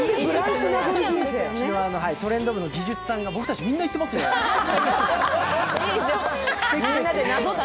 「トレンド部」の技術さんが僕たちみんな行ってますよって。